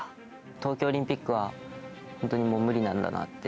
東京オリンピックは、本当にもう無理なんだなって。